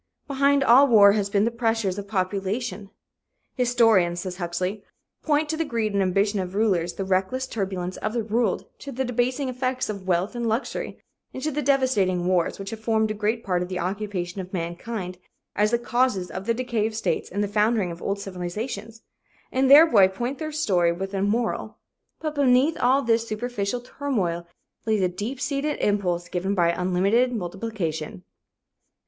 Behind all war has been the pressure of population. "Historians," says Huxley, "point to the greed and ambition of rulers, the reckless turbulence of the ruled, to the debasing effects of wealth and luxury, and to the devastating wars which have formed a great part of the occupation of mankind, as the causes of the decay of states and the foundering of old civilizations, and thereby point their story with a moral. But beneath all this superficial turmoil lay the deep seated impulse given by unlimited multiplication."